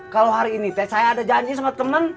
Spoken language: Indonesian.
kalo hari ini teh saya ada janji sama temen